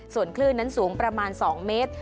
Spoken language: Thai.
ส่วนคลื่นนั้นสูงประมาณ๒เมตร